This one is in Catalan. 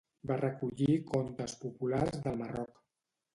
Va recollir contes populars del Marroc.